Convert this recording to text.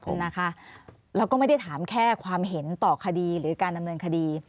นะคะแล้วก็ไม่ได้ถามแค่ความเห็นต่อคดีหรือการดำเนินคดี